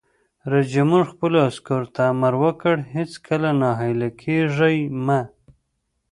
رئیس جمهور خپلو عسکرو ته امر وکړ؛ هیڅکله ناهیلي کیږئ مه!